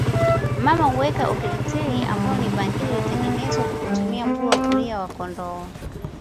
Mama huweka Olkererreti ambayo ni bangili iliyotengenezwa kwa kutumia mguu wa kulia wa kondoo